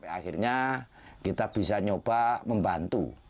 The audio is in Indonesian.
akhirnya kita bisa nyoba membantu